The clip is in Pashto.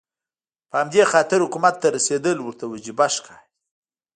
په همدې خاطر حکومت ته رسېدل ورته وجیبه ښکاري.